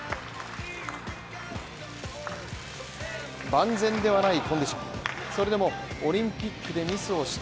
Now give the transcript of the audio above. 万全ではないコンディションでした。